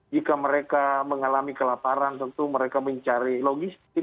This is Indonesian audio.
jika mereka mengalami kelaparan tentu mereka mencari logistik